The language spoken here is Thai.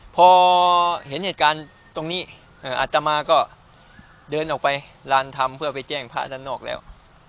พอเห็นเหตุการณ์ตรงนี้อัตมาก็เดินออกไปรานธรรมต้นหลังแล้ว